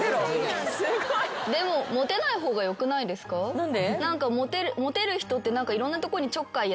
何で？